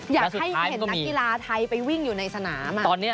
อยากให้เห็นนักกีฬาไทยไปวิ่งอยู่ในสนาม